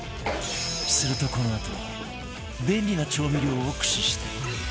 するとこのあと便利な調味料を駆使して自宅で簡単にできる